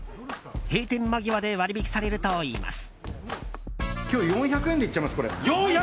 閉店間際で割引されるといいます。